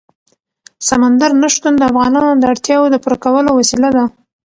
سمندر نه شتون د افغانانو د اړتیاوو د پوره کولو وسیله ده.